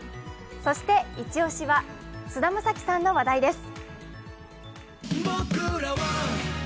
そしてイチ押しは菅田将暉さんの話題です。